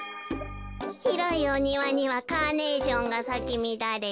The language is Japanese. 「ひろいおにわにはカーネーションがさきみだれ」。